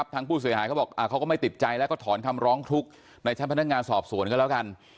ทางผู้เสียหายเขาบอกเขาก็ไม่ติดใจแล้วก็ถอนคำร้องทุกข์ในชั้นพนักงานสอบสวนก็แล้วกัน